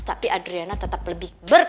tapi adriana tetap lebih berkelas dari boy